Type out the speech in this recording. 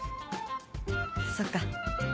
そっか。